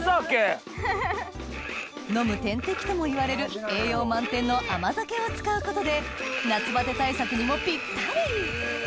飲む点滴ともいわれる栄養満点の甘酒を使うことで夏バテ対策にもピッタリ！